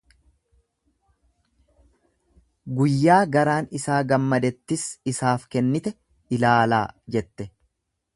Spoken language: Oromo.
guyyaa garaan isaa gammadettis isaaf kennite ilaalaa! jette.